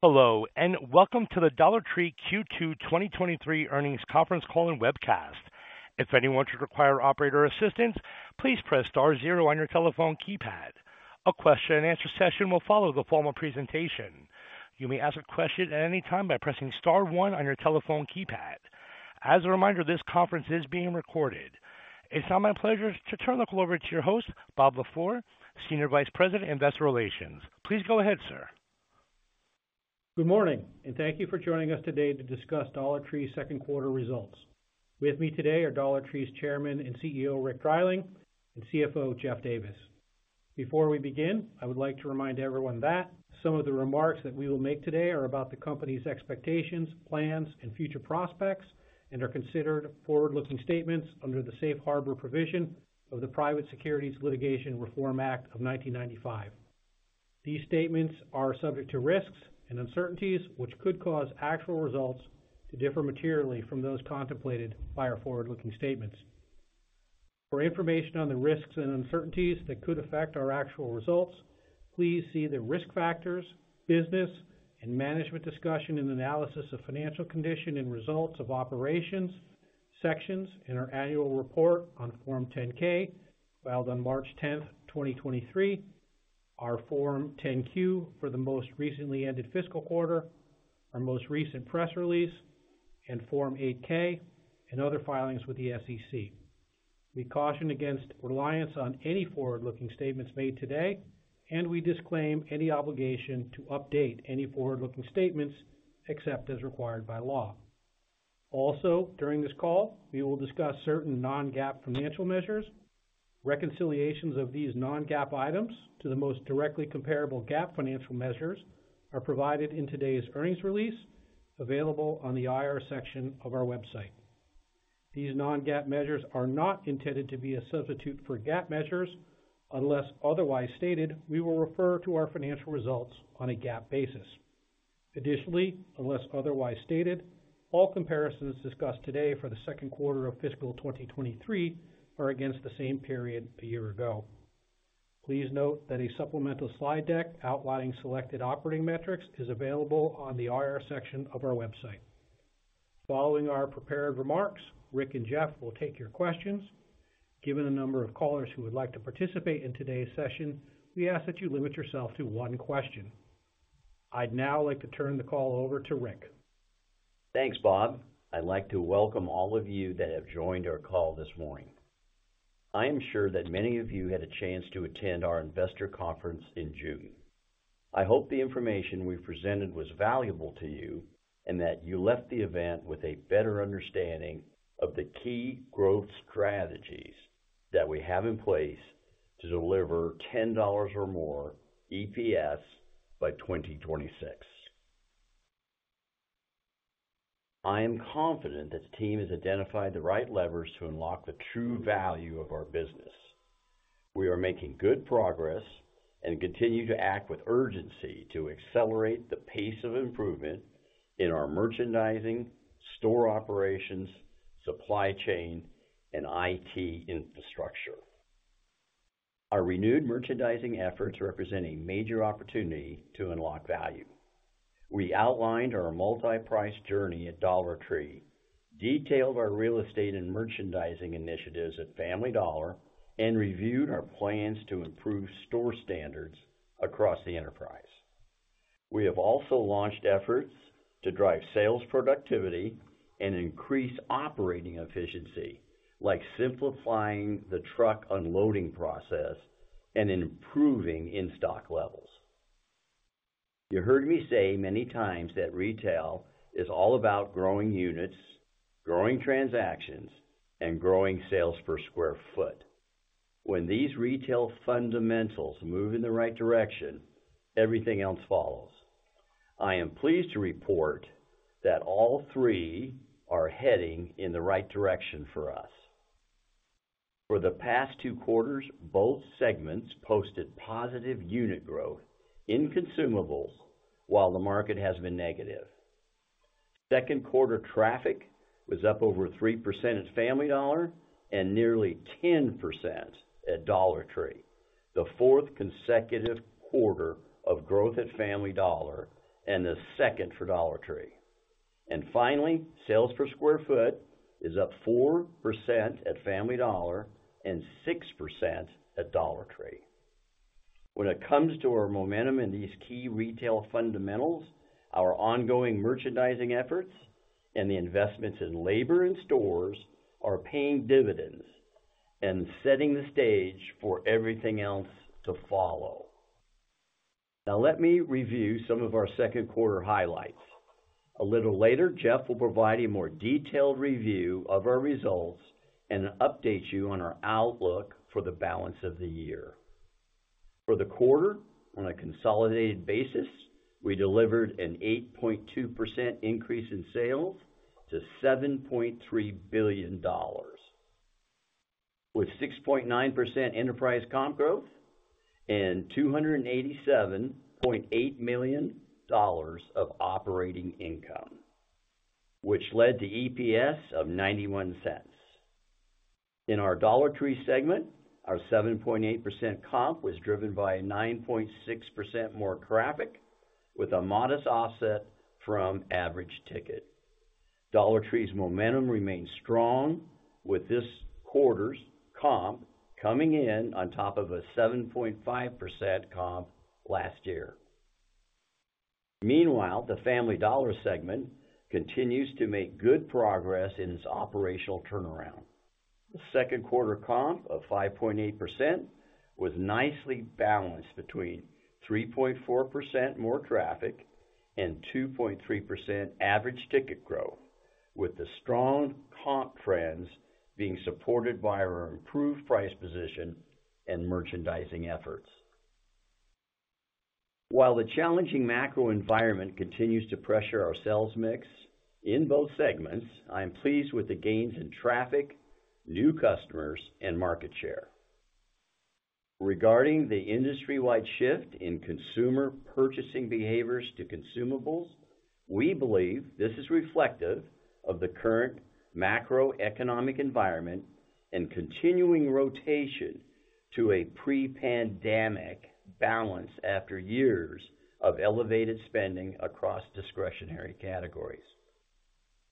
Hello, and welcome to the Dollar Tree Q2 2023 Earnings Conference Call and Webcast. If anyone should require operator assistance, please press star zero on your telephone keypad. A question-and-answer session will follow the formal presentation. You may ask a question at any time by pressing star one on your telephone keypad. As a reminder, this conference is being recorded. It's now my pleasure to turn the call over to your host, Robert LaFleur, Senior Vice President, Investor Relations. Please go ahead, sir. Good morning, and thank you for joining us today to discuss Dollar Tree's Q2 results. With me today are Dollar Tree's Chairman and CEO, Rick Dreiling, and CFO, Jeff Davis. Before we begin, I would like to remind everyone that some of the remarks that we will make today are about the company's expectations, plans, and future prospects and are considered forward-looking statements under the Safe Harbor provision of the Private Securities Litigation Reform Act of 1995. These statements are subject to risks and uncertainties, which could cause actual results to differ materially from those contemplated by our forward-looking statements. For information on the risks and uncertainties that could affect our actual results, please see the Risk Factors, Business and Management Discussion, and Analysis of Financial Condition and Results of Operations sections in our annual report on Form 10-K, filed on March 10, 2023, our Form 10-Q for the most recently ended fiscal quarter, our most recent press release, and Form 8-K, and other filings with the SEC. We caution against reliance on any forward-looking statements made today, and we disclaim any obligation to update any forward-looking statements except as required by law. Also, during this call, we will discuss certain non-GAAP financial measures. Reconciliations of these non-GAAP items to the most directly comparable GAAP financial measures are provided in today's earnings release, available on the IR section of our website. These non-GAAP measures are not intended to be a substitute for GAAP measures. Unless otherwise stated, we will refer to our financial results on a GAAP basis. Additionally, unless otherwise stated, all comparisons discussed today for the Q2 of fiscal 2023 are against the same period a year ago. Please note that a supplemental slide deck outlining selected operating metrics is available on the IR section of our website. Following our prepared remarks, Rick and Jeff will take your questions. Given the number of callers who would like to participate in today's session, we ask that you limit yourself to one question. I'd now like to turn the call over to Rick. Thanks, Bob. I'd like to welcome all of you that have joined our call this morning. I am sure that many of you had a chance to attend our investor conference in June. I hope the information we presented was valuable to you and that you left the event with a better understanding of the key growth strategies that we have in place to deliver $10 or more EPS by 2026. I am confident that the team has identified the right levers to unlock the true value of our business. We are making good progress and continue to act with urgency to accelerate the pace of improvement in our merchandising, store operations, supply chain, and IT infrastructure. Our renewed merchandising efforts represent a major opportunity to unlock value. We outlined our multi-price journey at Dollar Tree, detailed our real estate and merchandising initiatives at Family Dollar, and reviewed our plans to improve store standards across the enterprise. We have also launched efforts to drive sales productivity and increase operating efficiency, like simplifying the truck unloading process and improving in-stock levels. You heard me say many times that retail is all about growing units, growing transactions, and growing sales per square foot. When these retail fundamentals move in the right direction, everything else follows. I am pleased to report that all three are heading in the right direction for us. For the past two quarters, both segments posted positive unit growth in consumables, while the market has been negative. Q2 traffic was up over 3% at Family Dollar and nearly 10% at Dollar Tree, the fourth consecutive quarter of growth at Family Dollar and the second for Dollar Tree. Finally, sales per sq ft is up 4% at Family Dollar and 6% at Dollar Tree. When it comes to our momentum in these key retail fundamentals, our ongoing merchandising efforts and the investments in labor and stores are paying dividends and setting the stage for everything else to follow. Now, let me review some of our Q2 highlights. A little later, Jeff will provide a more detailed review of our results and update you on our outlook for the balance of the year. For the quarter, on a consolidated basis, we delivered an 8.2% increase in sales to $7.3 billion, with 6.9% enterprise comp growth and $287.8 million of operating income, which led to EPS of $0.91. In our Dollar Tree segment, our 7.8% comp was driven by a 9.6% more traffic, with a modest offset from average ticket. Dollar Tree's momentum remains strong, with this quarter's comp coming in on top of a 7.5% comp last year. Meanwhile, the Family Dollar segment continues to make good progress in its operational turnaround. The Q2 comp of 5.8% was nicely balanced between 3.4% more traffic and 2.3% average ticket growth, with the strong comp trends being supported by our improved price position and merchandising efforts. While the challenging macro environment continues to pressure our sales mix in both segments, I am pleased with the gains in traffic, new customers, and market share. Regarding the industry-wide shift in consumer purchasing behaviors to consumables, we believe this is reflective of the current macroeconomic environment and continuing rotation to a pre-pandemic balance after years of elevated spending across discretionary categories.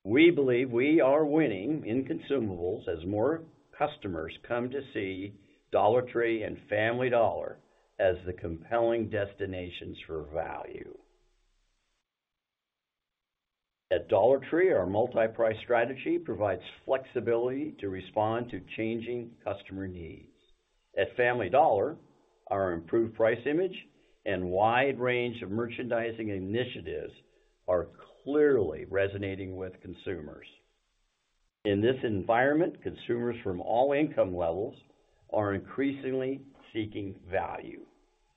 We believe we are winning in consumables as more customers come to see Dollar Tree and Family Dollar as the compelling destinations for value. At Dollar Tree, our multi-price strategy provides flexibility to respond to changing customer needs. At Family Dollar, our improved price image and wide range of merchandising initiatives are clearly resonating with consumers. In this environment, consumers from all income levels are increasingly seeking value.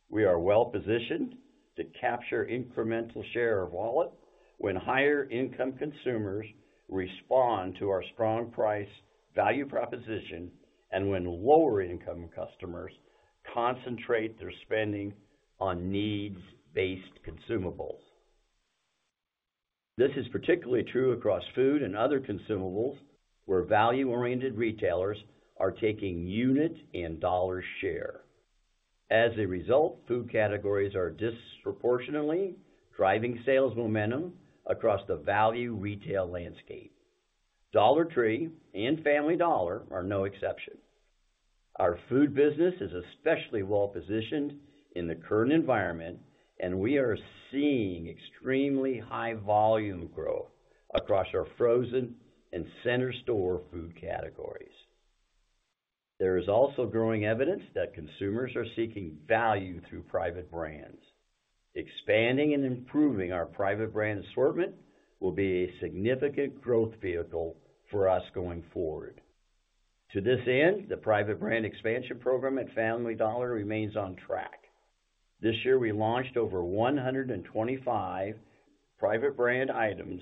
We are well-positioned to capture incremental share of wallet when higher-income consumers respond to our strong price value proposition, and when lower-income customers concentrate their spending on needs-based consumables. This is particularly true across food and other consumables, where value-oriented retailers are taking unit and dollar share. As a result, food categories are disproportionately driving sales momentum across the value retail landscape. Dollar Tree and Family Dollar are no exception. Our food business is especially well-positioned in the current environment, and we are seeing extremely high volume growth across our frozen and center store food categories. There is also growing evidence that consumers are seeking value through private brands. Expanding and improving our private brand assortment will be a significant growth vehicle for us going forward. To this end, the private brand expansion program at Family Dollar remains on track. This year, we launched over 125 private brand items,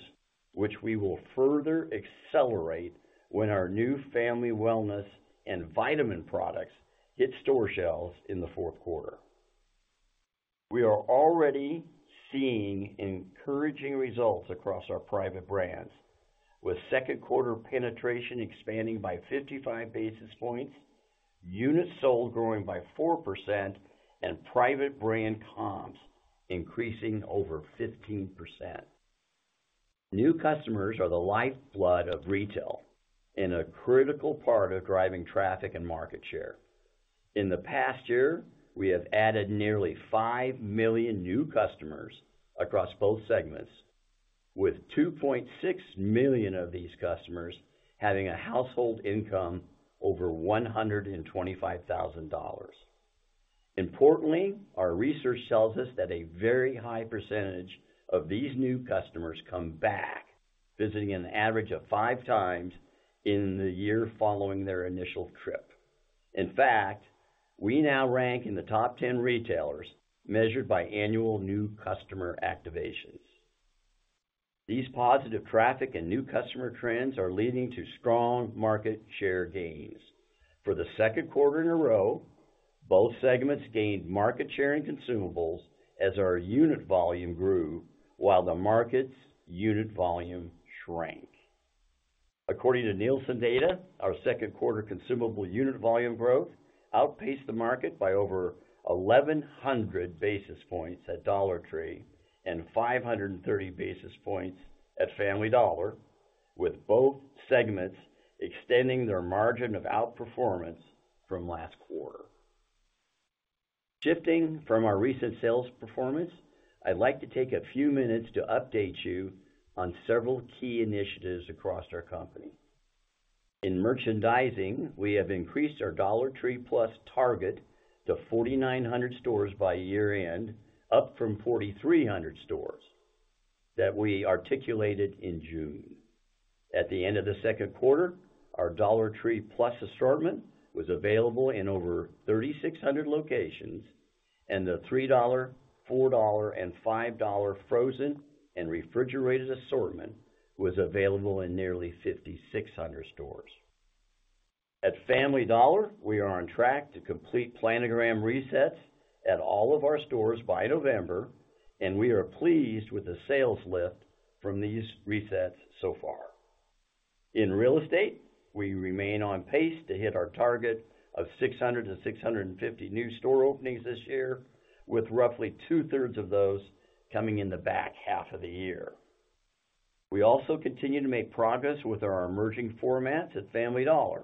which we will further accelerate when our new Family Wellness and vitamin products hit store shelves in the Q4. We are already seeing encouraging results across our private brands, with Q2 penetration expanding by 55 basis points, units sold growing by 4%, and private brand comps increasing over 15%. New customers are the lifeblood of retail and a critical part of driving traffic and market share. In the past year, we have added nearly 5 million new customers across both segments, with 2.6 million of these customers having a household income over $125,000. Importantly, our research tells us that a very high percentage of these new customers come back, visiting an average of five times in the year following their initial trip. In fact, we now rank in the top 10 retailers, measured by annual new customer activations. These positive traffic and new customer trends are leading to strong market share gains. For the Q2 in a row, both segments gained market share in consumables as our unit volume grew while the market's unit volume shrank. According to Nielsen data, our Q2 consumable unit volume growth outpaced the market by over 1,100 basis points at Dollar Tree and 530 basis points at Family Dollar, with both segments extending their margin of outperformance from last quarter. Shifting from our recent sales performance, I'd like to take a few minutes to update you on several key initiatives across our company. In merchandising, we have increased our Dollar Tree Plus target to 4,900 stores by year-end, up from 4,300 stores that we articulated in June. At the end of the Q2, our Dollar Tree Plus assortment was available in over 3,600 locations, and the $3, $4, and $5 frozen and refrigerated assortment was available in nearly 5,600 stores. At Family Dollar, we are on track to complete planogram resets at all of our stores by November, and we are pleased with the sales lift from these resets so far. In real estate, we remain on pace to hit our target of 600-650 new store openings this year, with roughly two-thirds of those coming in the back half of the year. We also continue to make progress with our emerging formats at Family Dollar.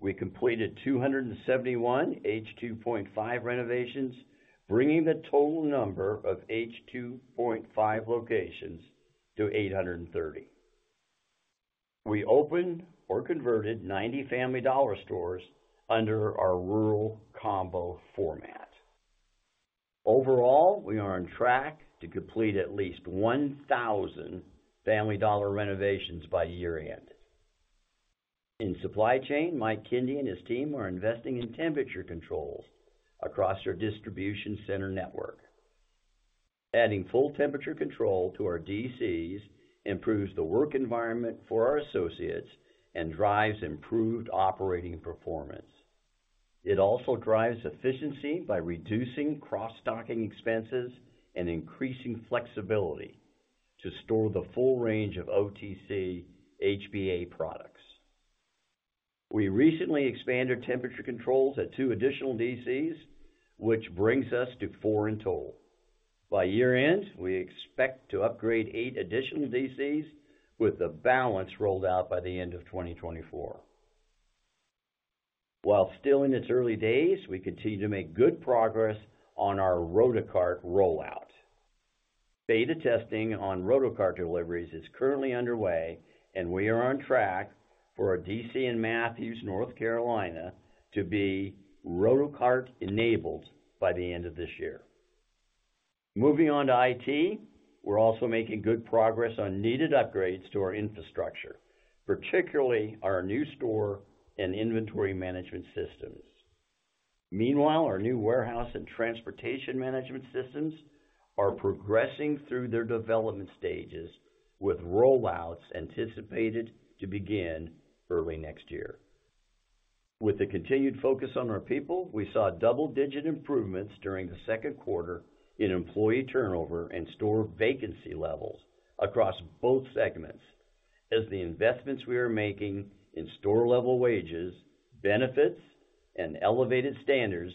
We completed 271 H2.5 renovations, bringing the total number of H2.5 locations to 830. We opened or converted 90 Family Dollar stores under our Rural Combo format. Overall, we are on track to complete at least 1,000 Family Dollar renovations by year-end. In supply chain, Mike Kindy and his team are investing in temperature controls across our distribution center network. Adding full temperature control to our DCs improves the work environment for our associates and drives improved operating performance. It also drives efficiency by reducing cross-docking expenses and increasing flexibility to store the full range of OTC HBA products. We recently expanded temperature controls at 2 additional DCs, which brings us to 4 in total. By year-end, we expect to upgrade 8 additional DCs, with the balance rolled out by the end of 2024. While still in its early days, we continue to make good progress on our Rotocart rollout. Beta testing on Rotocart deliveries is currently underway, and we are on track for our DC in Matthews, North Carolina, to be Rotocart enabled by the end of this year. Moving on to IT, we're also making good progress on needed upgrades to our infrastructure, particularly our new store and inventory management systems. Meanwhile, our new warehouse and transportation management systems are progressing through their development stages, with rollouts anticipated to begin early next year. With the continued focus on our people, we saw double-digit improvements during the Q2 in employee turnover and store vacancy levels across both segments, as the investments we are making in store-level wages, benefits, and elevated standards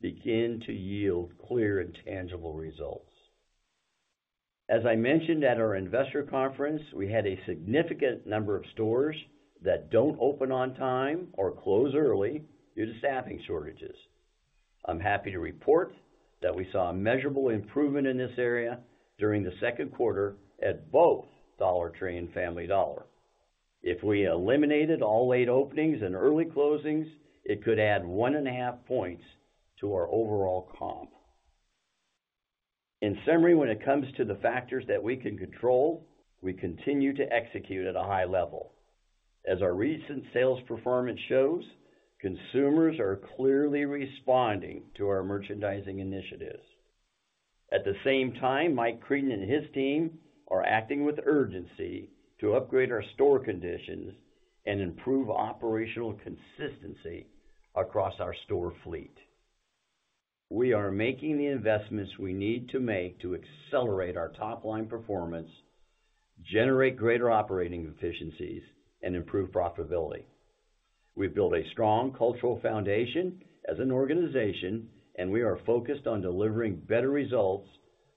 begin to yield clear and tangible results. As I mentioned at our investor conference, we had a significant number of stores that don't open on time or close early due to staffing shortages. I'm happy to report that we saw a measurable improvement in this area during the Q2 at both Dollar Tree and Family Dollar. If we eliminated all late openings and early closings, it could add 1.5 points to our overall comp. In summary, when it comes to the factors that we can control, we continue to execute at a high level. As our recent sales performance shows, consumers are clearly responding to our merchandising initiatives. At the same time, Mike Creedon and his team are acting with urgency to upgrade our store conditions and improve operational consistency across our store fleet. We are making the investments we need to make to accelerate our top-line performance, generate greater operating efficiencies, and improve profitability. We've built a strong cultural foundation as an organization, and we are focused on delivering better results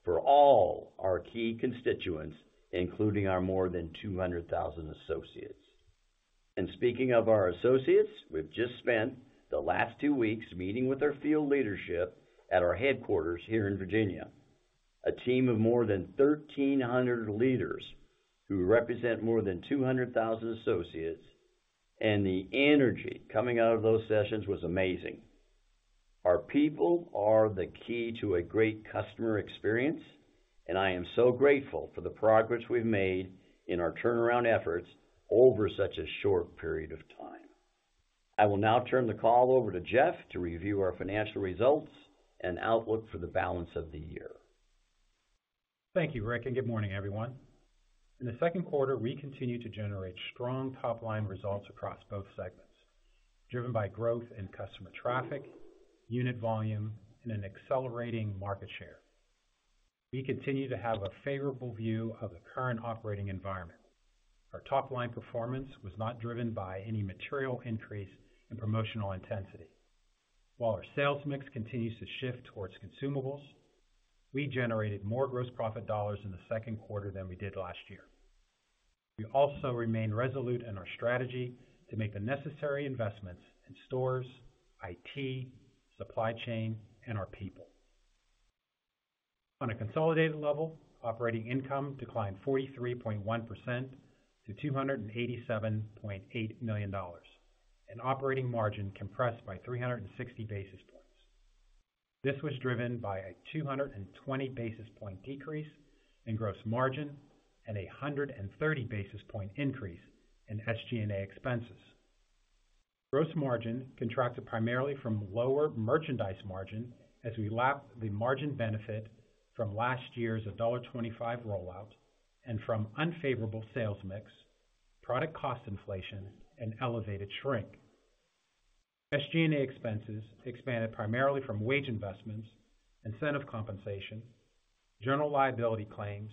for all our key constituents, including our more than 200,000 associates. And speaking of our associates, we've just spent the last two weeks meeting with our field leadership at our headquarters here in Virginia. A team of more than 1,300 leaders who represent more than 200,000 associates, and the energy coming out of those sessions was amazing. Our people are the key to a great customer experience, and I am so grateful for the progress we've made in our turnaround efforts over such a short period of time. I will now turn the call over to Jeff to review our financial results and outlook for the balance of the year. Thank you, Rick, and good morning, everyone. In the Q2, we continued to generate strong top-line results across both segments, driven by growth in customer traffic, unit volume, and an accelerating market share. We continue to have a favorable view of the current operating environment. Our top-line performance was not driven by any material increase in promotional intensity. While our sales mix continues to shift towards consumables, we generated more gross profit dollars in the Q2 than we did last year. We also remain resolute in our strategy to make the necessary investments in stores, IT, supply chain, and our people. On a consolidated level, operating income declined 43.1% - $287.8 million, and operating margin compressed by 360 basis points. This was driven by a 200 basis point decrease in gross margin and a 100 basis point increase in SG&A expenses. Gross margin contracted primarily from lower merchandise margin as we lapped the margin benefit from last year's $1.25 rollout and from unfavorable sales mix, product cost inflation, and elevated shrink. SG&A expenses expanded primarily from wage investments, incentive compensation, general liability claims,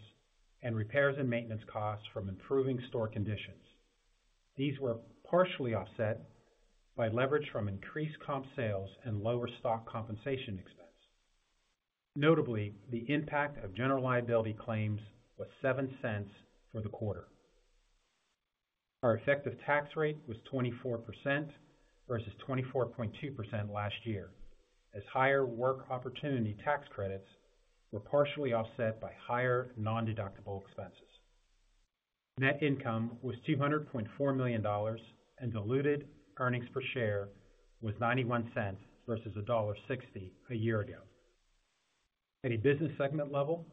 and repairs and maintenance costs from improving store conditions. These were partially offset by leverage from increased comp sales and lower stock compensation expense. Notably, the impact of general liability claims was $0.07 for the quarter. Our effective tax rate was 24% versus 24.2% last year, as higher Work Opportunity Tax Credits were partially offset by higher nondeductible expenses. Net income was $200.4 million, and diluted earnings per share was $0.91 versus $1.60 a year ago. At a business segment level,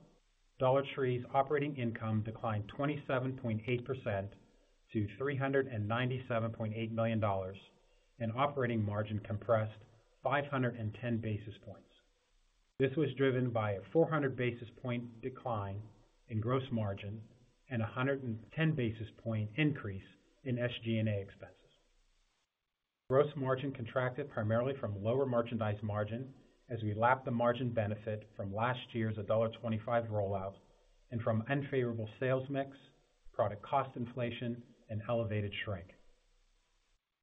Dollar Tree's operating income declined 27.8% - $397.8 million, and operating margin compressed 510 basis points. This was driven by a 400 basis point decline in gross margin and a 110 basis point increase in SG&A expenses. Gross margin contracted primarily from lower merchandise margin as we lapped the margin benefit from last year's $1.25 rollout and from unfavorable sales mix, product cost inflation, and elevated shrink.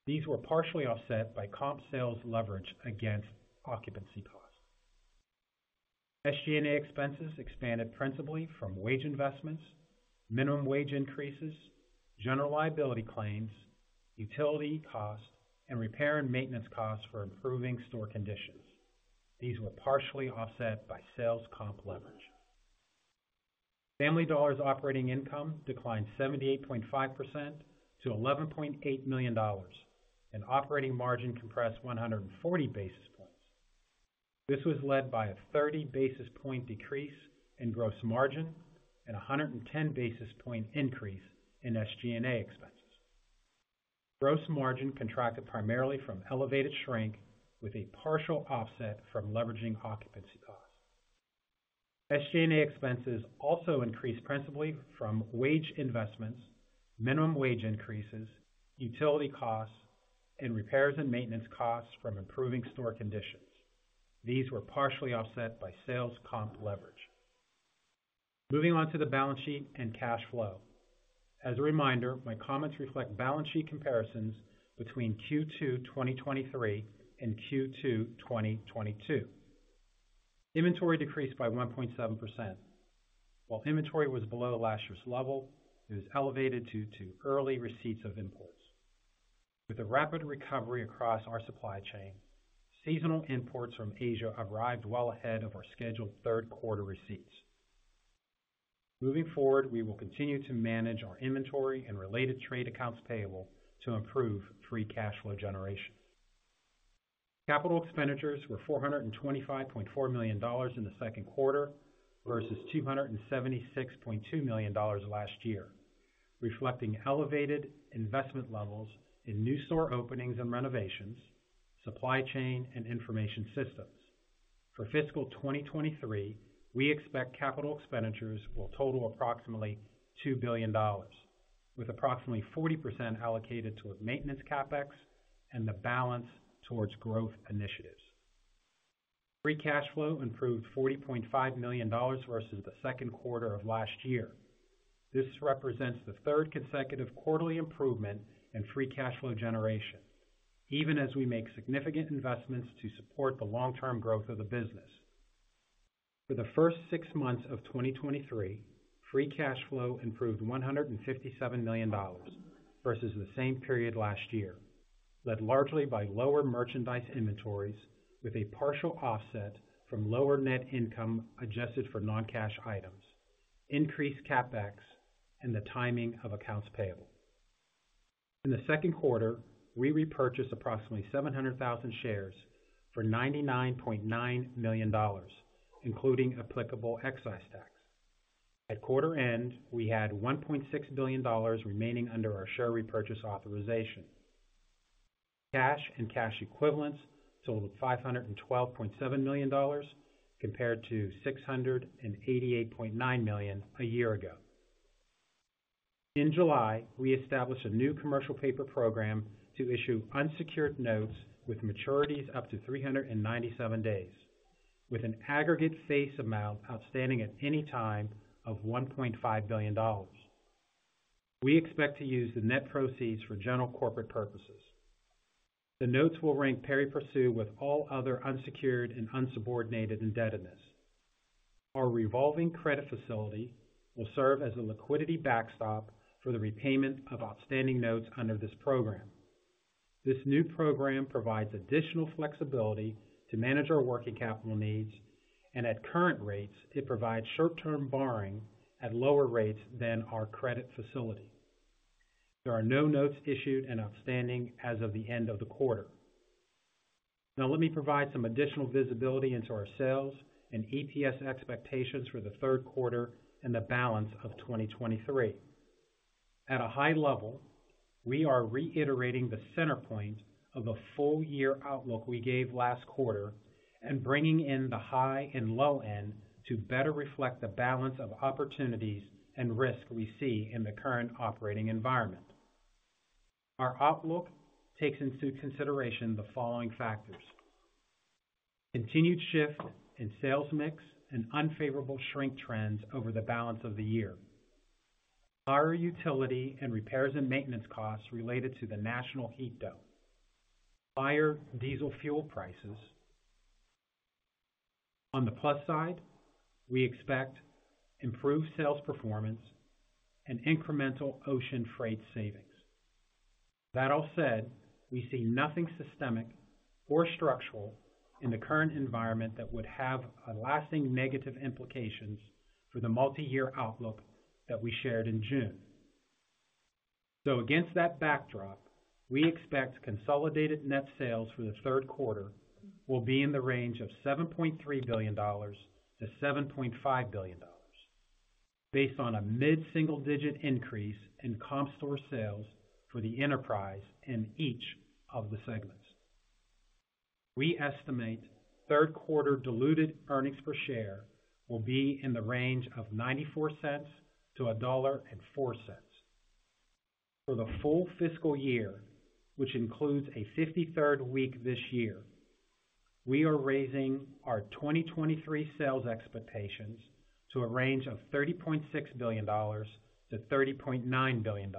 These were partially offset by comp sales leverage against occupancy costs. SG&A expenses expanded principally from wage investments, minimum wage increases, general liability claims, utility costs, and repair and maintenance costs for improving store conditions. These were partially offset by sales comp leverage. Family Dollar's operating income declined 78.5% - $11.8 million, and operating margin compressed 140 basis points. This was led by a 30 basis point decrease in gross margin and a 110 basis point increase in SG&A expenses. Gross margin contracted primarily from elevated shrink, with a partial offset from leveraging occupancy costs. SG&A expenses also increased principally from wage investments, minimum wage increases, utility costs, and repairs and maintenance costs from improving store conditions. These were partially offset by sales comp leverage. Moving on to the balance sheet and cash flow. As a reminder, my comments reflect balance sheet comparisons between Q2 2023 and Q2 2022. Inventory decreased by 1.7%. While inventory was below last year's level, it was elevated due to early receipts of imports. With a rapid recovery across our supply chain, seasonal imports from Asia arrived well ahead of our scheduled Q3 receipts. Moving forward, we will continue to manage our inventory and related trade accounts payable to improve free cash flow generation. Capital expenditures were $425.4 million in the Q2 versus $276.2 million last year, reflecting elevated investment levels in new store openings and renovations, supply chain and information systems. For fiscal 2023, we expect capital expenditures will total approximately $2 billion, with approximately 40% allocated towards maintenance Capex and the balance towards growth initiatives. Free cash flow improved $40.5 million versus the Q2 of last year. This represents the third consecutive quarterly improvement in free cash flow generation, even as we make significant investments to support the long-term growth of the business. For the first six months of 2023, free cash flow improved $157 million versus the same period last year, led largely by lower merchandise inventories, with a partial offset from lower net income adjusted for non-cash items, increased Capex, and the timing of accounts payable. In the Q2, we repurchased approximately 700,000 shares for $99.9 million, including applicable excise tax. At quarter end, we had $1.6 billion remaining under our share repurchase authorization. Cash and cash equivalents totaled $512.7 million, compared to $688.9 million a year ago. In July, we established a new commercial paper program to issue unsecured notes with maturities up to 397 days, with an aggregate face amount outstanding at any time of $1.5 billion. We expect to use the net proceeds for general corporate purposes. The notes will rank pari passu with all other unsecured and unsubordinated indebtedness. Our revolving credit facility will serve as a liquidity backstop for the repayment of outstanding notes under this program. This new program provides additional flexibility to manage our working capital needs, and at current rates, it provides short-term borrowing at lower rates than our credit facility. There are no notes issued and outstanding as of the end of the quarter. Now, let me provide some additional visibility into our sales and EPS expectations for the Q3 and the balance of 2023. At a high level, we are reiterating the center point of the full year outlook we gave last quarter and bringing in the high and low end to better reflect the balance of opportunities and risk we see in the current operating environment. Our outlook takes into consideration the following factors... continued shift in sales mix and unfavorable shrink trends over the balance of the year, higher utility and repairs and maintenance costs related to the national heat dome, higher diesel fuel prices. On the plus side, we expect improved sales performance and incremental ocean freight savings. That all said, we see nothing systemic or structural in the current environment that would have a lasting negative implications for the multiyear outlook that we shared in June. So against that backdrop, we expect consolidated net sales for the Q3 will be in the range of $7.3 billion-$7.5 billion, based on a mid-single digit increase in comp store sales for the enterprise in each of the segments. We estimate Q3 diluted earnings per share will be in the range of $0.94-$1.04. For the full fiscal year, which includes a 53rd week this year, we are raising our 2023 sales expectations to a range of $30.6 billion-$30.9 billion,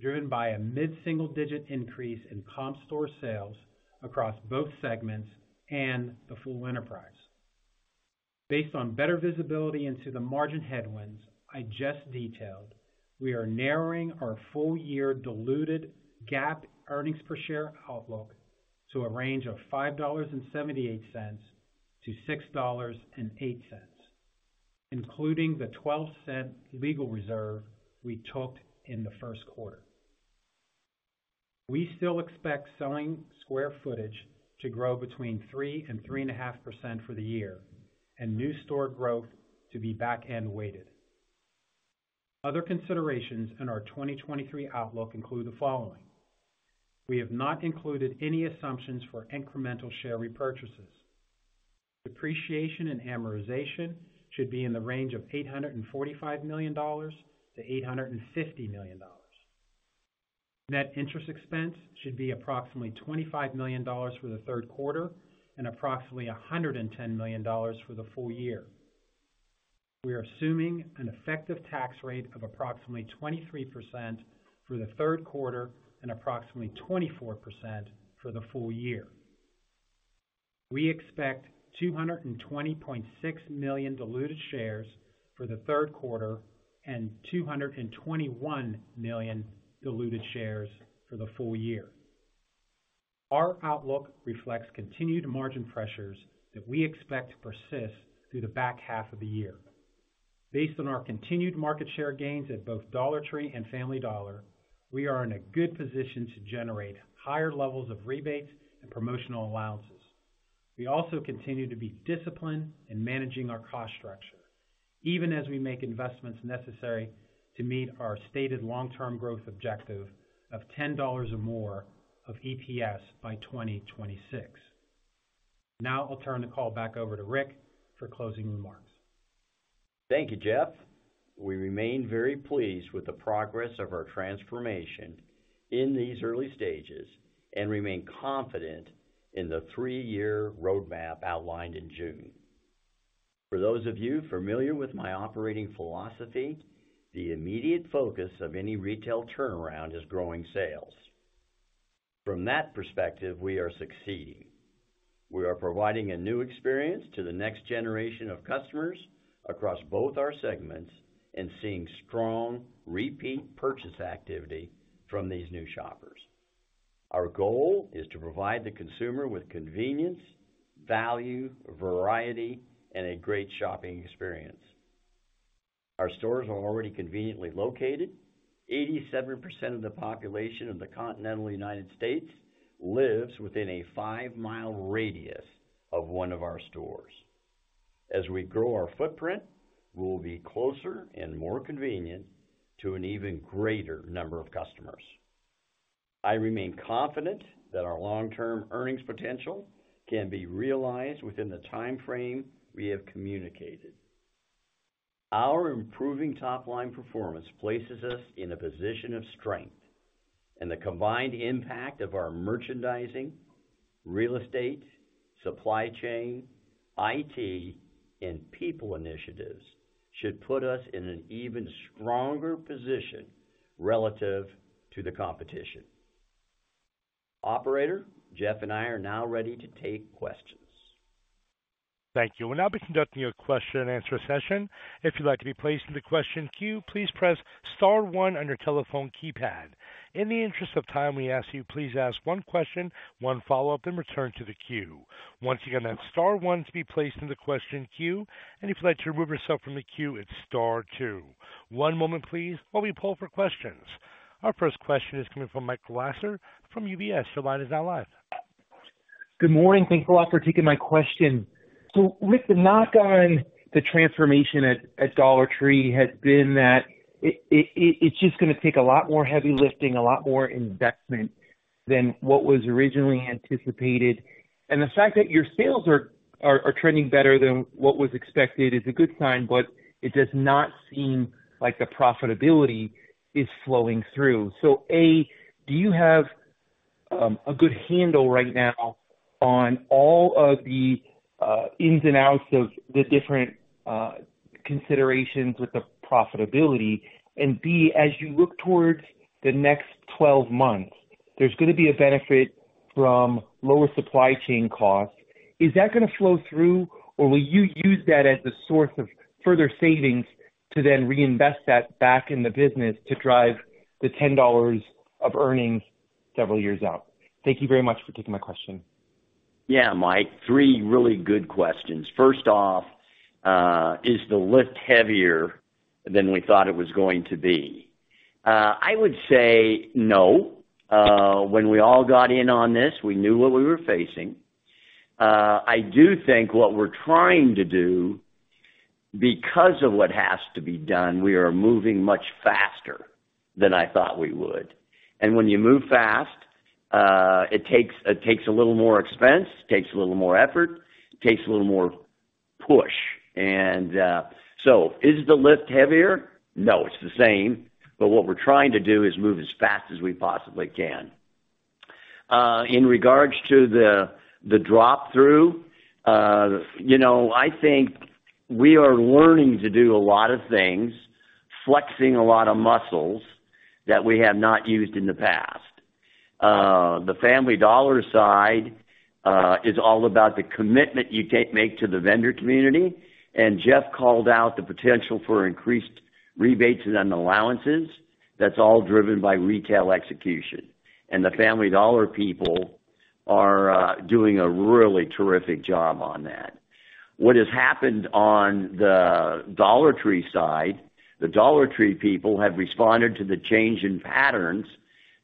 driven by a mid-single digit increase in comp store sales across both segments and the full enterprise. Based on better visibility into the margin headwinds I just detailed, we are narrowing our full-year diluted GAAP earnings per share outlook to a range of $5.78-$6.08, including the $0.12 legal reserve we took in the Q1. We still expect selling square footage to grow between 3%-3.5% for the year and new store growth to be back-end weighted. Other considerations in our 2023 outlook include the following: We have not included any assumptions for incremental share repurchases. Depreciation and amortization should be in the range of $845 million-$850 million. Net interest expense should be approximately $25 million for the Q3 and approximately $110 million for the full year. We are assuming an effective tax rate of approximately 23% for the Q3 and approximately 24% for the full year. We expect 220.6 million diluted shares for the Q3 and 221 million diluted shares for the full year. Our outlook reflects continued margin pressures that we expect to persist through the back half of the year. Based on our continued market share gains at both Dollar Tree and Family Dollar, we are in a good position to generate higher levels of rebates and promotional allowances. We also continue to be disciplined in managing our cost structure, even as we make investments necessary to meet our stated long-term growth objective of $10 or more of EPS by 2026. Now I'll turn the call back over to Rick for closing remarks. Thank you, Jeff. We remain very pleased with the progress of our transformation in these early stages and remain confident in the three-year roadmap outlined in June. For those of you familiar with my operating philosophy, the immediate focus of any retail turnaround is growing sales. From that perspective, we are succeeding. We are providing a new experience to the next generation of customers across both our segments and seeing strong repeat purchase activity from these new shoppers. Our goal is to provide the consumer with convenience, value, variety, and a great shopping experience. Our stores are already conveniently located. 87% of the population of the continental United States lives within a five-mile radius of one of our stores. As we grow our footprint, we'll be closer and more convenient to an even greater number of customers. I remain confident that our long-term earnings potential can be realized within the time frame we have communicated. Our improving top-line performance places us in a position of strength, and the combined impact of our merchandising, real estate, supply chain, IT, and people initiatives should put us in an even stronger position relative to the competition. Operator, Jeff and I are now ready to take questions. Thank you. We'll now be conducting a question-and-answer session. If you'd like to be placed in the question queue, please press star one on your telephone keypad. In the interest of time, we ask you, please ask one question, one follow-up, and return to the queue. Once again, that's star one to be placed in the question queue, and if you'd like to remove yourself from the queue, it's star two. One moment please while we poll for questions. Our first question is coming from Michael Lasser from UBS. Your line is now live. Good morning. Thanks a lot for taking my question. So, Rick, the knock on the transformation at Dollar Tree has been that it's just going to take a lot more heavy lifting, a lot more investment than what was originally anticipated. The fact that your sales are trending better than what was expected is a good sign, but it does not seem like the profitability is flowing through. So, A, do you have-... a good handle right now on all of the, ins and outs of the different, considerations with the profitability? And B, as you look towards the next 12 months, there's gonna be a benefit from lower supply chain costs. Is that gonna flow through, or will you use that as a source of further savings to then reinvest that back in the business to drive the $10 of earnings several years out? Thank you very much for taking my question. Yeah, Mike, three really good questions. First off, is the lift heavier than we thought it was going to be? I would say no. When we all got in on this, we knew what we were facing. I do think what we're trying to do, because of what has to be done, we are moving much faster than I thought we would. And when you move fast, it takes a little more expense, takes a little more effort, takes a little more push. So is the lift heavier? No, it's the same, but what we're trying to do is move as fast as we possibly can. In regards to the drop-through, you know, I think we are learning to do a lot of things, flexing a lot of muscles that we have not used in the past. The Family Dollar side is all about the commitment you can make to the vendor community, and Jeff called out the potential for increased rebates and allowances. That's all driven by retail execution, and the Family Dollar people are doing a really terrific job on that. What has happened on the Dollar Tree side, the Dollar Tree people have responded to the change in patterns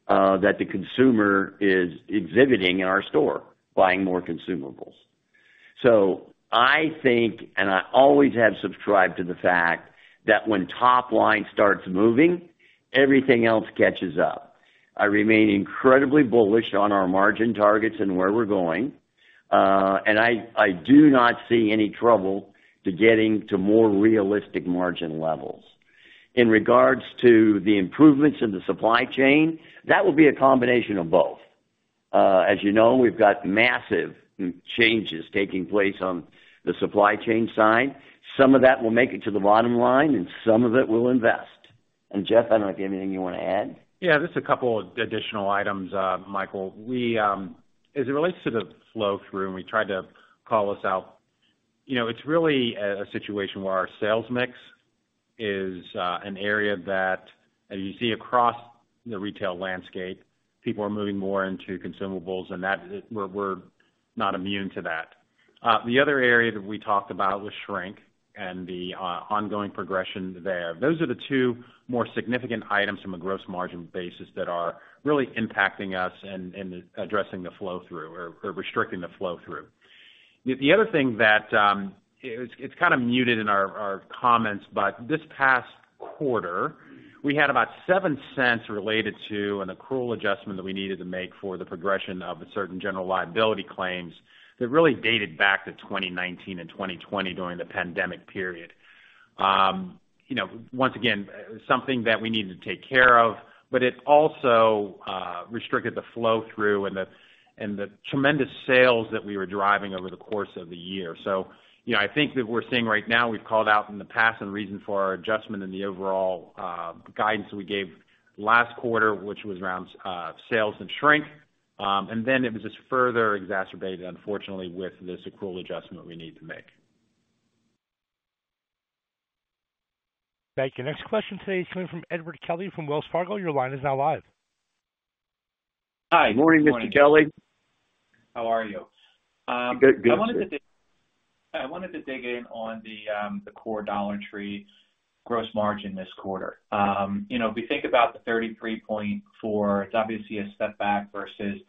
that the consumer is exhibiting in our store, buying more consumables. So I think, and I always have subscribed to the fact, that when top line starts moving, everything else catches up. I remain incredibly bullish on our margin targets and where we're going, and I, I do not see any trouble to getting to more realistic margin levels. In regards to the improvements in the supply chain, that will be a combination of both. As you know, we've got massive changes taking place on the supply chain side. Some of that will make it to the bottom line, and some of it we'll invest. Jeff, I don't know if you have anything you want to add? Yeah, just a couple of additional items, Michael. We, as it relates to the flow-through, and we tried to call this out, you know, it's really a situation where our sales mix is, an area that, as you see across the retail landscape, people are moving more into consumables, and that, we're not immune to that. The other area that we talked about was shrink and the, ongoing progression there. Those are the two more significant items from a gross margin basis that are really impacting us and, addressing the flow-through or, restricting the flow-through. The other thing that... It's kind of muted in our comments, but this past quarter, we had about $0.07 related to an accrual adjustment that we needed to make for the progression of certain general liability claims that really dated back to 2019 and 2020 during the pandemic period. You know, once again, something that we needed to take care of, but it also restricted the flow-through and the tremendous sales that we were driving over the course of the year. So, you know, I think that we're seeing right now, we've called out in the past and the reason for our adjustment in the overall guidance we gave last quarter, which was around sales and shrink. And then it was just further exacerbated, unfortunately, with this accrual adjustment we need to make. Thank you. Next question today is coming from Edward Kelly from Wells Fargo. Your line is now live. Hi. Good morning, Mr. Kelly. How are you? Good. Good. I wanted to dig in on the core Dollar Tree gross margin this quarter. You know, if we think about the 33.4%, it's obviously a step back versus,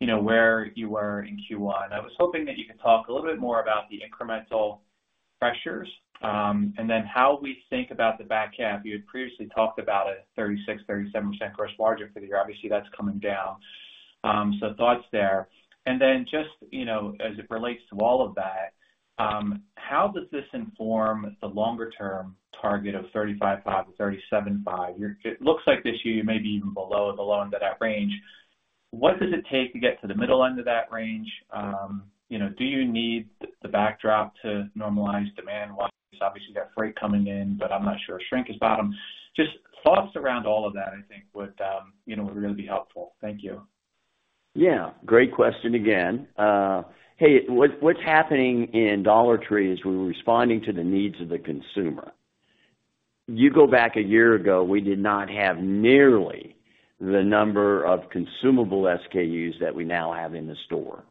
you know, where you were in Q1. I was hoping that you could talk a little bit more about the incremental pressures, and then how we think about the back half. You had previously talked about a 36%-37% gross margin figure. Obviously, that's coming down. So thoughts there. And then just, you know, as it relates to all of that, how does this inform the longer-term target of 35.5%-37.5%? It looks like this year you may be even below and below into that range. What does it take to get to the middle end of that range? You know, do you need the backdrop to normalize demand? While you've obviously got freight coming in, but I'm not sure if shrink is bottom. Just thoughts around all of that, I think would, you know, would really be helpful. Thank you. Yeah, great question again. What's happening in Dollar Tree is we're responding to the needs of the consumer. You go back a year ago, we did not have nearly the number of consumable SKUs that we now have in the store.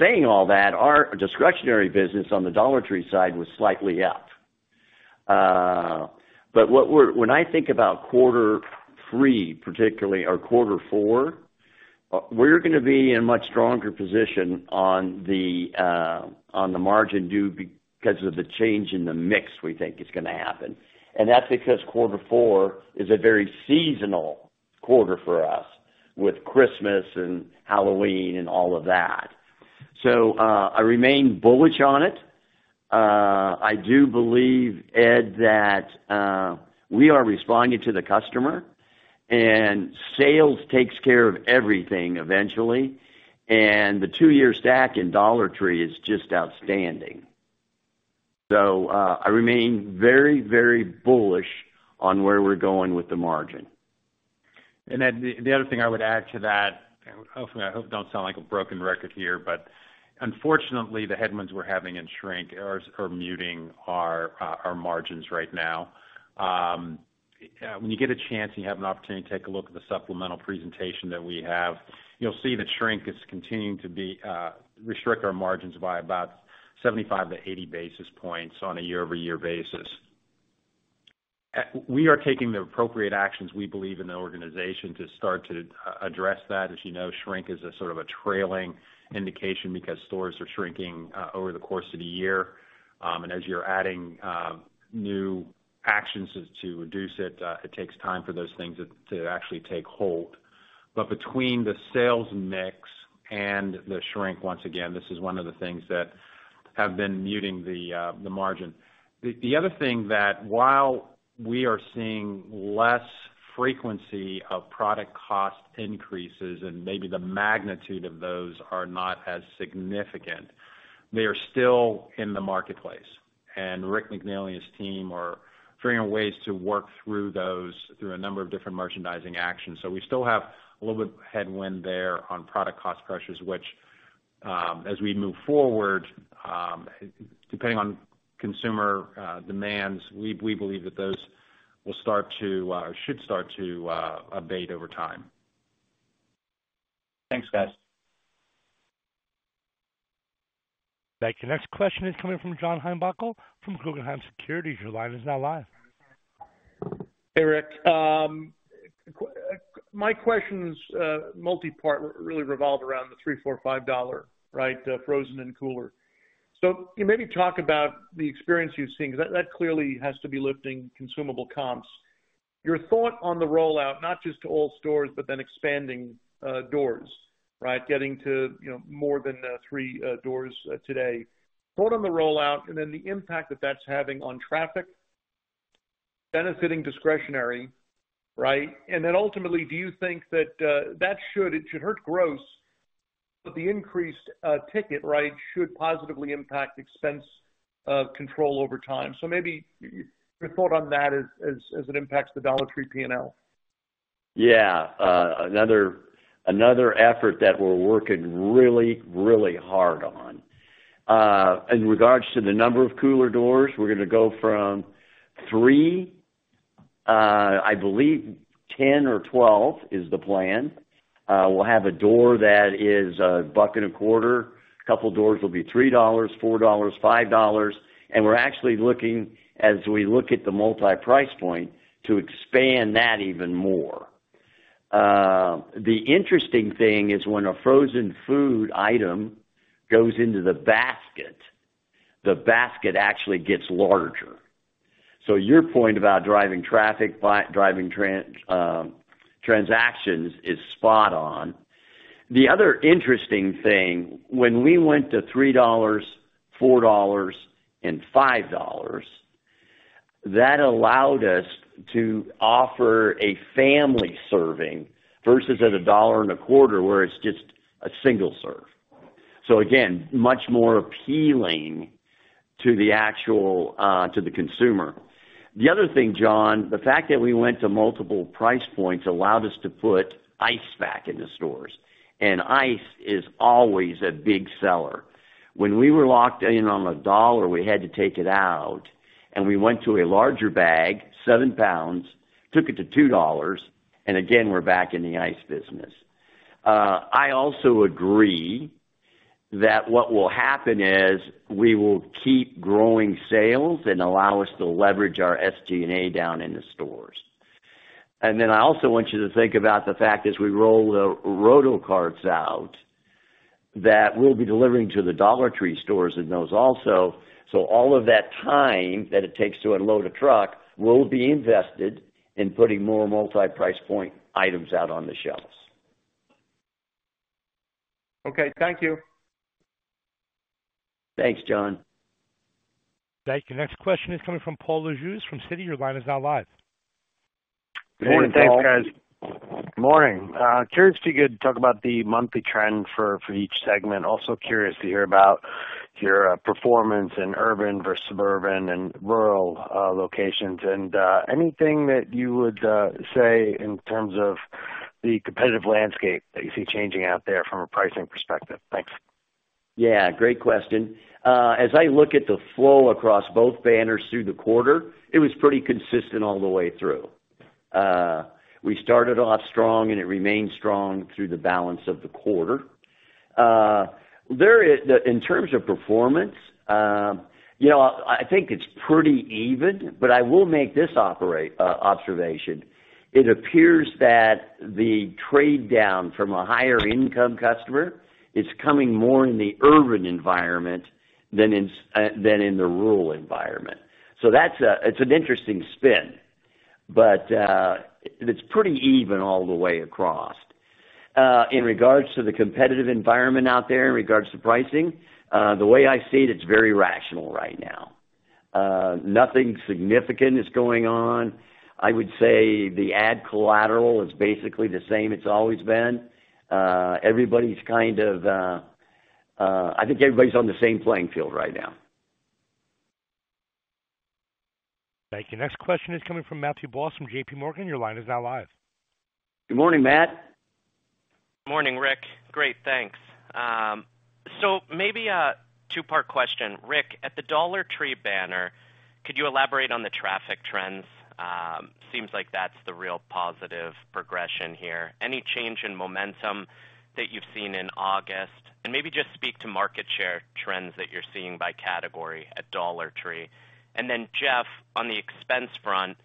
Saying all that, our discretionary business on the Dollar Tree side was slightly up. But what we're when I think about quarter three, particularly, or quarter four, we're gonna be in a much stronger position on the, on the margin due because of the change in the mix we think is gonna happen. And that's because quarter four is a very seasonal quarter for us, with Christmas and Halloween and all of that. So, I remain bullish on it.... I do believe, Ed, that we are responding to the customer, and sales takes care of everything eventually. The two-year stack in Dollar Tree is just outstanding. I remain very, very bullish on where we're going with the margin. And then the other thing I would add to that, hopefully, I hope I don't sound like a broken record here, but unfortunately, the headwinds we're having in shrink are muting our margins right now. When you get a chance, and you have an opportunity to take a look at the supplemental presentation that we have, you'll see that shrink is continuing to restrict our margins by about 75-80 basis points on a year-over-year basis. We are taking the appropriate actions, we believe, in the organization to start to address that. As you know, shrink is a sort of a trailing indication because stores are shrinking over the course of the year. And as you're adding new actions to reduce it, it takes time for those things to actually take hold. Between the sales mix and the shrink, once again, this is one of the things that have been muting the margin. The other thing that while we are seeing less frequency of product cost increases, and maybe the magnitude of those are not as significant, they are still in the marketplace. Rick McNeely and his team are figuring out ways to work through those, through a number of different merchandising actions. We still have a little bit of headwind there on product cost pressures, which, as we move forward, depending on consumer demands, we believe that those will start to should start to abate over time. Thanks, guys. Thank you. Next question is coming from John Heinbockel from Guggenheim Securities. Your line is now live. Hey, Rick. My question is multipart, really revolved around the $3, $4, $5, right, frozen and cooler. So can you maybe talk about the experience you've seen? That clearly has to be lifting consumable comps. Your thought on the rollout, not just to all stores, but then expanding doors, right? Getting to, you know, more than 3 doors today. Thought on the rollout, and then the impact that that's having on traffic, benefiting discretionary, right? And then ultimately, do you think that that should, it should hurt gross, but the increased ticket, right, should positively impact expense control over time. So maybe your thought on that as it impacts the Dollar Tree P&L. Yeah. Another, another effort that we're working really, really hard on. In regards to the number of cooler doors, we're gonna go from 3, I believe, 10 or 12 is the plan. We'll have a door that is $1.25. A couple doors will be $3, $4, $5, and we're actually looking, as we look at the multi-price point, to expand that even more. The interesting thing is when a frozen food item goes into the basket, the basket actually gets larger. So your point about driving traffic by driving transactions is spot on. The other interesting thing, when we went to $3, $4, and $5, that allowed us to offer a family serving versus at $1.25, where it's just a single serve. So again, much more appealing to the actual, to the consumer. The other thing, John, the fact that we went to multiple price points allowed us to put ice back in the stores, and ice is always a big seller. When we were locked in on $1, we had to take it out, and we went to a larger bag, seven pounds, took it to $2, and again, we're back in the ice business. I also agree that what will happen is, we will keep growing sales and allow us to leverage our SG&A down in the stores. And then I also want you to think about the fact, as we roll the Rotocarts out, that we'll be delivering to the Dollar Tree stores in those also. All of that time that it takes to unload a truck will be invested in putting more multi-price point items out on the shelves. Okay, thank you. Thanks, John. Thank you. Next question is coming from Paul Lejuez from Citi. Your line is now live. Good morning, Paul. Thanks, guys. Morning. Curious if you could talk about the monthly trend for each segment. Also curious to hear about your performance in urban versus suburban and rural locations, and anything that you would say in terms of the competitive landscape that you see changing out there from a pricing perspective. Thanks. Yeah, great question. As I look at the flow across both banners through the quarter, it was pretty consistent all the way through. We started off strong, and it remained strong through the balance of the quarter. There is. In terms of performance, you know, I think it's pretty even, but I will make this observation: It appears that the trade down from a higher income customer is coming more in the urban environment than in the rural environment. So that's—it's an interesting spin, but it's pretty even all the way across. In regards to the competitive environment out there, in regards to pricing, the way I see it, it's very rational right now. Nothing significant is going on. I would say the ad collateral is basically the same it's always been. Everybody's kind of, I think everybody's on the same playing field right now. Thank you. Next question is coming from Matthew Boss from JPMorgan. Your line is now live. Good morning, Matt. Morning, Rick. Great, thanks. So maybe a two-part question. Rick, at the Dollar Tree banner, could you elaborate on the traffic trends? Seems like that's the real positive progression here. Any change in momentum that you've seen in August? And maybe just speak to market share trends that you're seeing by category at Dollar Tree. And then, Jeff, on the expense front,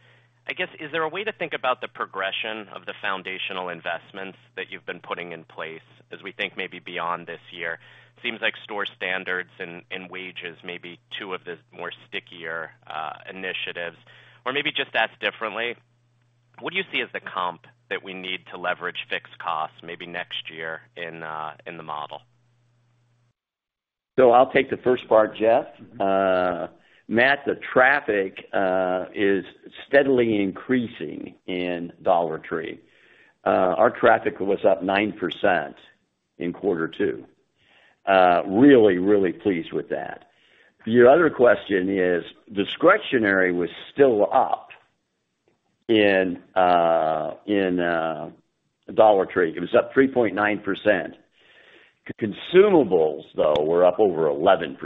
I guess, is there a way to think about the progression of the foundational investments that you've been putting in place as we think maybe beyond this year? Seems like store standards and wages may be two of the more stickier initiatives, or maybe just asked differently, what do you see as the comp that we need to leverage fixed costs maybe next year in the model? So I'll take the first part, Jeff. Matt, the traffic is steadily increasing in Dollar Tree. Our traffic was up 9% in quarter two. Really, really pleased with that. Your other question is, discretionary was still up in Dollar Tree. It was up 3.9%. Consumables, though, were up over 11%,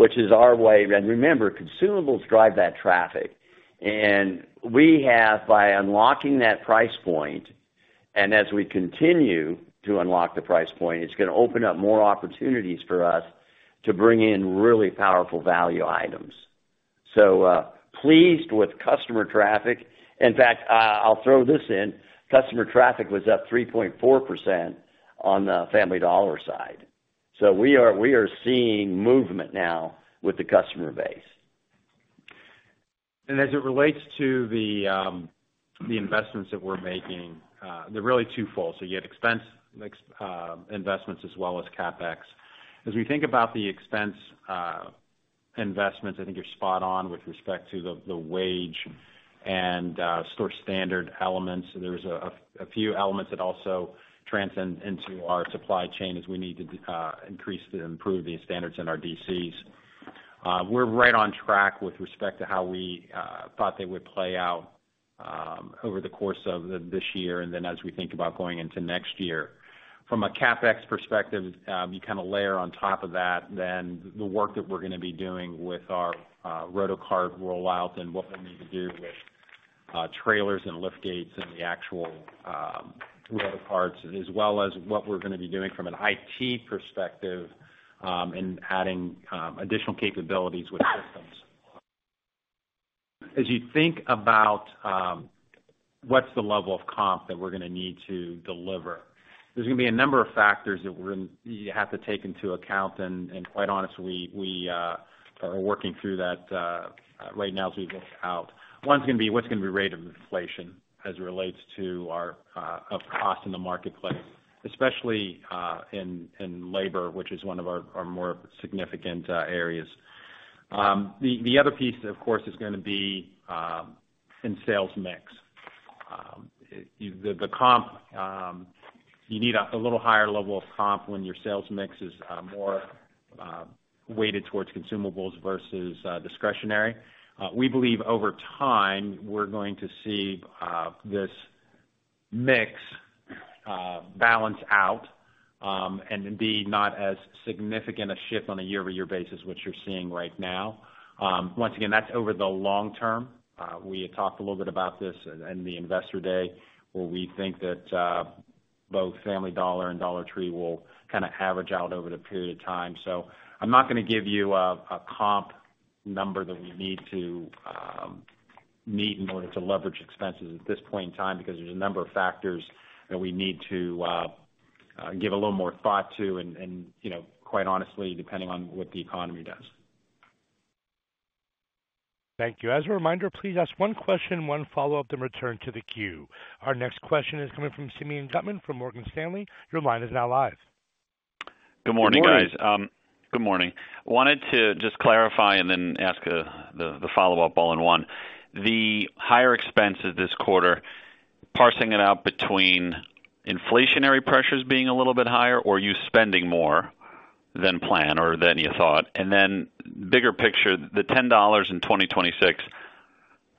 which is our way, and remember, consumables drive that traffic, and we have, by unlocking that price point, and as we continue to unlock the price point, it's gonna open up more opportunities for us to bring in really powerful value items. So, pleased with customer traffic. In fact, I'll throw this in, customer traffic was up 3.4% on the Family Dollar side. So we are, we are seeing movement now with the customer base. And as it relates to the investments that we're making, they're really twofold. So you have expense investments as well as Capex. As we think about the expense investments, I think you're spot on with respect to the wage and store standard elements. There's a few elements that also transcend into our supply chain as we need to increase and improve the standards in our DCs. We're right on track with respect to how we thought they would play out over the course of this year, and then as we think about going into next year. From a Capex perspective, you kind of layer on top of that, then the work that we're gonna be doing with our Rotocart rollouts and what we need to do with trailers and lift gates and the actual Rotocarts, as well as what we're gonna be doing from an IT perspective in adding additional capabilities with systems. As you think about what's the level of comp that we're gonna need to deliver, there's gonna be a number of factors that we're, you have to take into account, and quite honestly, we are working through that right now as we look out. One's gonna be, what's gonna be rate of inflation as it relates to our cost in the marketplace, especially in labor, which is one of our more significant areas. The other piece, of course, is gonna be in sales mix. The comp you need a little higher level of comp when your sales mix is more weighted towards consumables versus discretionary. We believe over time, we're going to see this mix balance out, and indeed, not as significant a shift on a year-over-year basis, which you're seeing right now. Once again, that's over the long term. We had talked a little bit about this in the Investor Day, where we think that both Family Dollar and Dollar Tree will kind of average out over the period of time. I'm not gonna give you a comp number that we need to meet in order to leverage expenses at this point in time, because there's a number of factors that we need to give a little more thought to, and you know, quite honestly, depending on what the economy does. Thank you. As a reminder, please ask one question, one follow-up, then return to the queue. Our next question is coming from Simeon Gutman from Morgan Stanley. Your line is now live. Good morning, guys. Good morning. Good morning. Wanted to just clarify and then ask the follow-up all in one. The higher expenses this quarter, parsing it out between inflationary pressures being a little bit higher, or you spending more than planned or than you thought? And then, bigger picture, the $10 in 2026,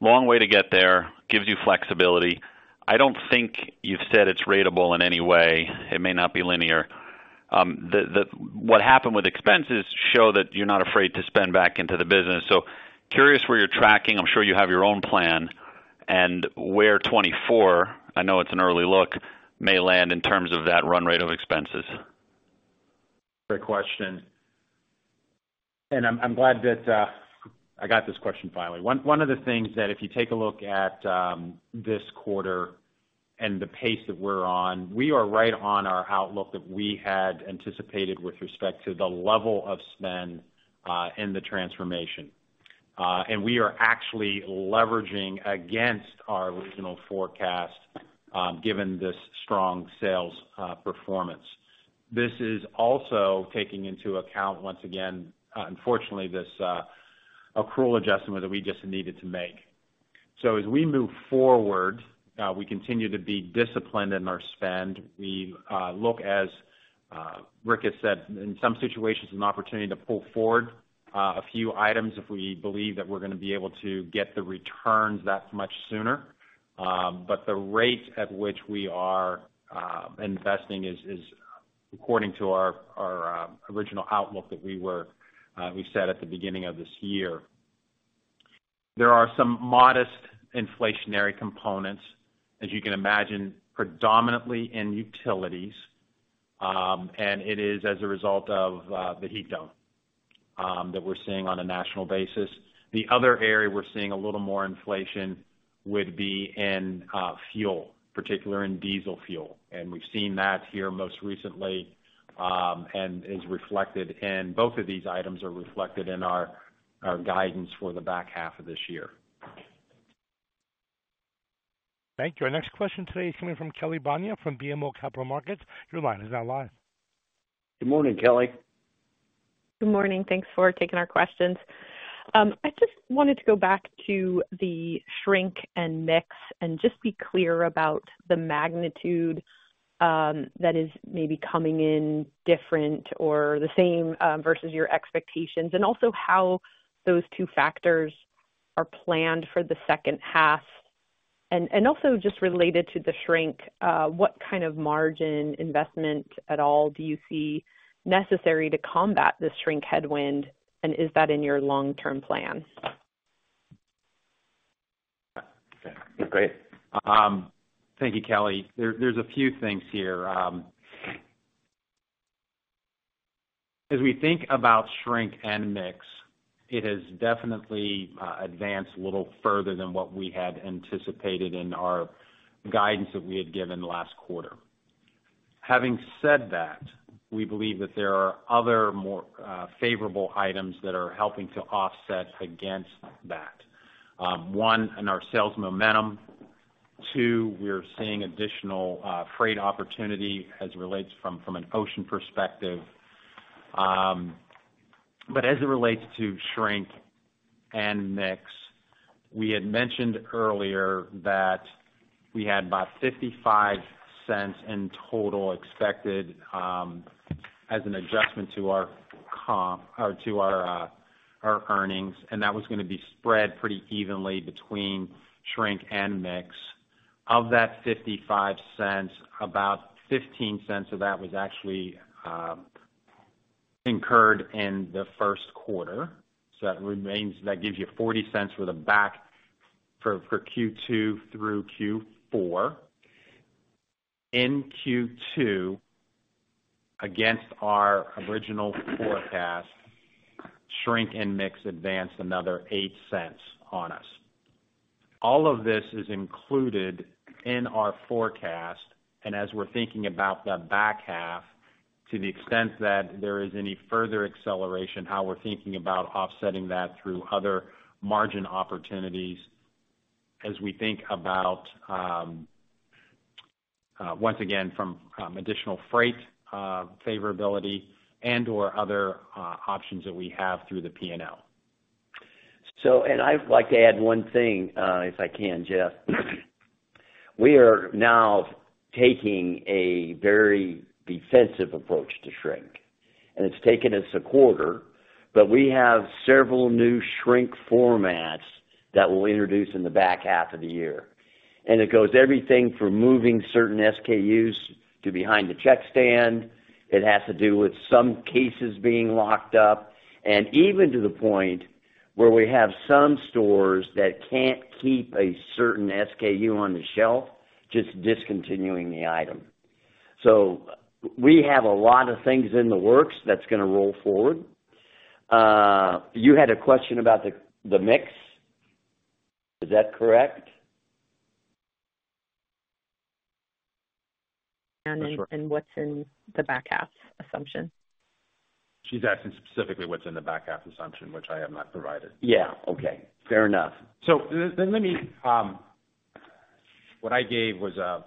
long way to get there, gives you flexibility. I don't think you've said it's ratable in any way. It may not be linear. What happened with expenses show that you're not afraid to spend back into the business. So curious where you're tracking. I'm sure you have your own plan and where 2024, I know it's an early look, may land in terms of that run rate of expenses. Great question. I'm glad that I got this question finally. One of the things that if you take a look at this quarter and the pace that we're on, we are right on our outlook that we had anticipated with respect to the level of spend in the transformation. And we are actually leveraging against our original forecast given this strong sales performance. This is also taking into account, once again, unfortunately, this accrual adjustment that we just needed to make. So as we move forward, we continue to be disciplined in our spend. We look, as Rick has said, in some situations, an opportunity to pull forward a few items if we believe that we're gonna be able to get the returns that much sooner. But the rate at which we are investing is according to our original outlook that we set at the beginning of this year. There are some modest inflationary components, as you can imagine, predominantly in utilities, and it is as a result of the heat dome that we're seeing on a national basis. The other area we're seeing a little more inflation would be in fuel, particularly in diesel fuel. And we've seen that here most recently, and both of these items are reflected in our guidance for the back half of this year. Thank you. Our next question today is coming from Kelly Bania, from BMO Capital Markets. Your line is now live. Good morning, Kelly. Good morning. Thanks for taking our questions. I just wanted to go back to the shrink and mix and just be clear about the magnitude that is maybe coming in different or the same versus your expectations, and also how those two factors are planned for the second half. And also just related to the shrink, what kind of margin investment at all do you see necessary to combat the shrink headwind, and is that in your long-term plan? Okay, great. Thank you, Kelly. There's a few things here. As we think about shrink and mix, it has definitely advanced a little further than what we had anticipated in our guidance that we had given last quarter. Having said that, we believe that there are other, more favorable items that are helping to offset against that. One, in our sales momentum. Two, we're seeing additional freight opportunity as it relates from an ocean perspective. But as it relates to shrink and mix, we had mentioned earlier that we had about $0.55 in total expected as an adjustment to our comp or to our earnings, and that was gonna be spread pretty evenly between shrink and mix. Of that $0.55, about $0.15 of that was actually incurred in the Q1. So that remains that gives you $0.40 for the back half for Q2 through Q4. In Q2, against our original forecast, shrink and mix advanced another $0.08 on us. All of this is included in our forecast, and as we're thinking about the back half, to the extent that there is any further acceleration, how we're thinking about offsetting that through other margin opportunities as we think about once again from additional freight favorability and/or other options that we have through the P&L. I'd like to add one thing, if I can, Jeff. We are now taking a very defensive approach to shrink, and it's taken us a quarter, but we have several new shrink formats that we'll introduce in the back half of the year. And it goes everything from moving certain SKUs to behind the checkstand. It has to do with some cases being locked up, and even to the point where we have some stores that can't keep a certain SKU on the shelf, just discontinuing the item. So we have a lot of things in the works that's gonna roll forward. You had a question about the, the mix, is that correct? What's in the back half assumption? She's asking specifically what's in the back half assumption, which I have not provided. Yeah, okay. Fair enough. So let me... What I gave was a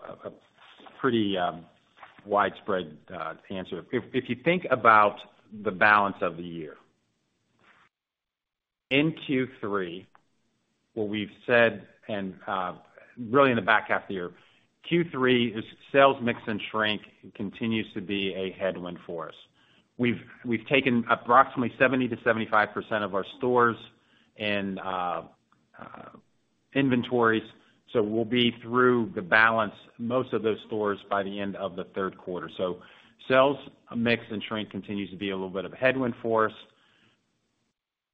pretty widespread answer. If you think about the balance of the year. In Q3, what we've said and really in the back half of the year, Q3, is sales mix and shrink continues to be a headwind for us. We've taken approximately 70%-75% of our stores and inventories, so we'll be through the balance, most of those stores by the end of the Q3. So sales mix and shrink continues to be a little bit of a headwind for us.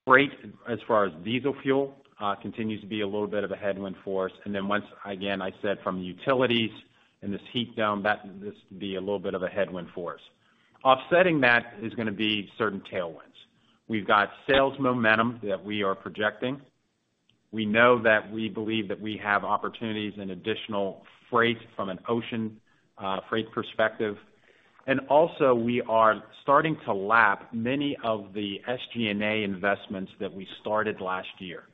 Freight, as far as diesel fuel, continues to be a little bit of a headwind for us, and then once again, I said from the utilities and this heat dome, that this will be a little bit of a headwind for us. Offsetting that is gonna be certain tailwinds. We've got sales momentum that we are projecting. We know that we believe that we have opportunities in additional freight from an ocean freight perspective. And also, we are starting to lap many of the SG&A investments that we started last year.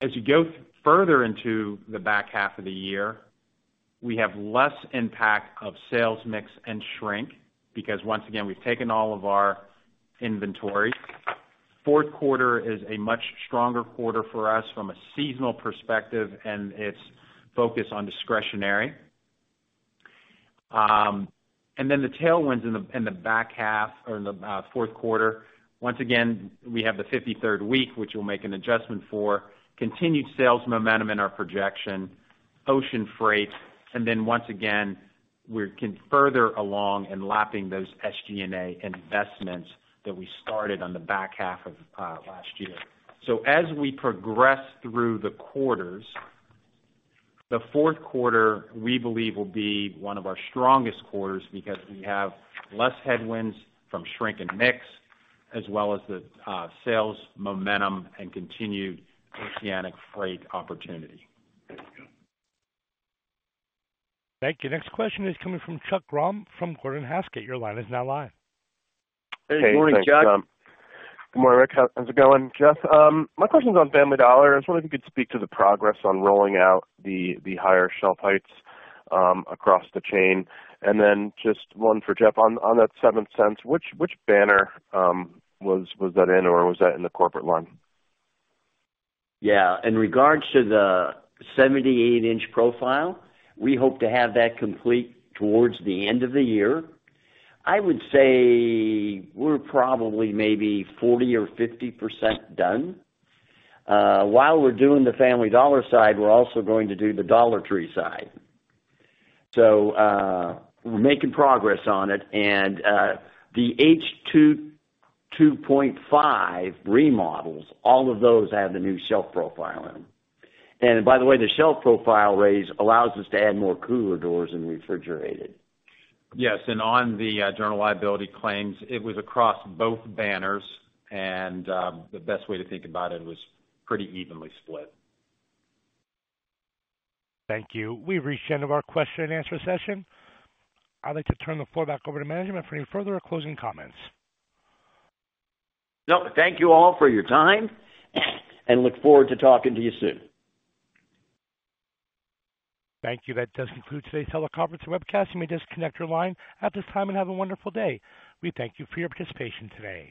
As you go further into the back half of the year, we have less impact of sales mix and shrink because, once again, we've taken all of our inventory. Q4 is a much stronger quarter for us from a seasonal perspective, and it's focused on discretionary. And then the tailwinds in the back half or in the Q4, once again, we have the 53rd week, which we'll make an adjustment for, continued sales momentum in our projection, ocean freight, and then once again, we're further along in lapping those SG&A investments that we started on the back half of last year. So as we progress through the quarters, the Q4, we believe, will be one of our strongest quarters because we have less headwinds from shrink and mix, as well as the sales momentum and continued ocean freight opportunity. Thank you. Next question is coming from Chuck Grom from Gordon Haskett. Your line is now live. Hey, good morning, Chuck. Good morning, Rick. How's it going, Jeff? My question's on Family Dollar. I was wondering if you could speak to the progress on rolling out the higher shelf heights across the chain. And then just one for Jeff, on that $0.07, which banner was that in, or was that in the corporate line? Yeah, in regards to the 78-inch profile, we hope to have that complete towards the end of the year. I would say we're probably maybe 40% or 50% done. While we're doing the Family Dollar side, we're also going to do the Dollar Tree side. So, we're making progress on it and the H2.5 remodels, all of those have the new shelf profile in them. And by the way, the shelf profile raise allows us to add more cooler doors and refrigerated. Yes, and on the general liability claims, it was across both banners, and the best way to think about it, it was pretty evenly split. Thank you. We've reached the end of our question and answer session. I'd like to turn the floor back over to management for any further or closing comments. No, thank you all for your time and look forward to talking to you soon Thank you. That does conclude today's teleconference and webcast. You may disconnect your line at this time and have a wonderful day. We thank you for your participation today.